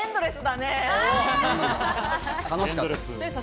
楽しかったです。